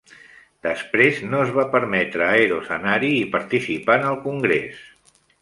Després no es va permetre a Eros anar-hi i participar en el congrés.